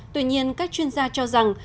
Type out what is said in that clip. tuy nhiên các chuyên gia cho rằng